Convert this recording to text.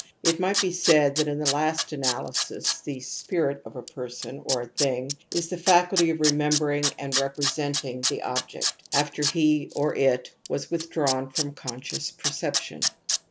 It might be said that in the last analysis the ' spirit ' of a person or thing is the faculty of remembering and representing the object, after he or it was withdrawn from I conscious perception.